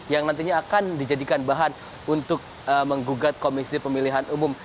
yang nantinya akan dijadikan bahan untuk menggugat komisi pemilihan umum